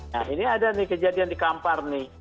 nah ini ada nih kejadian di kampar nih